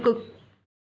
và các biểu hiện tiêu cực